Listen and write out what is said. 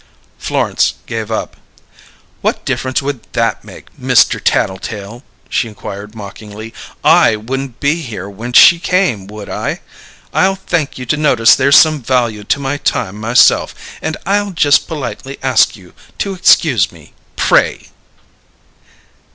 Florence gave up. "What difference would that make, Mister Taddletale?" she inquired mockingly. "I wouldn't be here when she came, would I? I'll thank you to notice there's some value to my time, myself; and I'll just politely ask you to excuse me, pray!"